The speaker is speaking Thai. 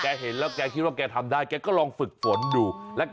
แกเห็นแล้วแกคิดแล้วแกทำได้แกก็ลองฝึกฝนดู